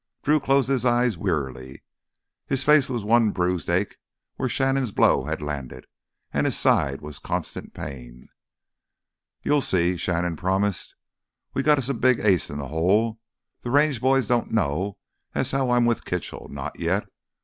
Drew closed his eyes wearily. His face was one bruised ache where Shannon's blow had landed, and his side was constant pain. "You'll see," Shannon promised. "We've got us a big ace in th' hole—th' Range boys don't know as how I'm with Kitchell, not yet.